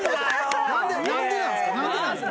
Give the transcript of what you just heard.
なんでなんですか？